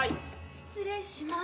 失礼しまーす。